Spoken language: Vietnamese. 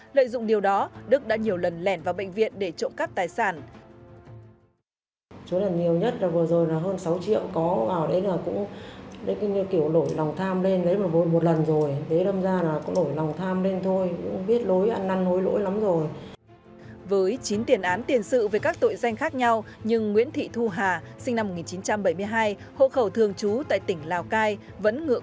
lợi dụng điều đó đức đã nhiều lần lẻn vào bệnh viện để trộm cắp tài sản